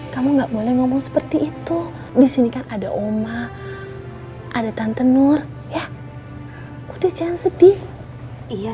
kamu gak boleh ngomong seperti itu disini kan ada oma ada tante nur ya udah jangan sedih iya